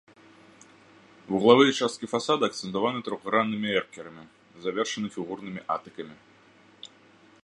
Вуглавыя часткі фасада акцэнтаваны трохграннымі эркерамі, завершаны фігурнымі атыкамі.